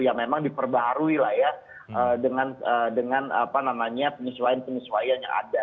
ya memang diperbarui lah ya dengan penyesuaian penyesuaian yang ada